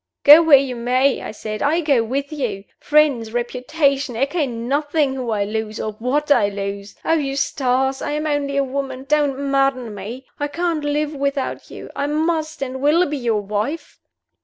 "Go where you may," I said, "I go with you! Friends reputation I care nothing who I lose, or what I lose! Oh, Eustace, I am only a woman don't madden me! I can't live without you. I must and will be your wife!"